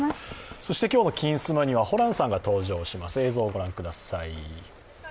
今日の「金スマ」にはホランさんが登場します。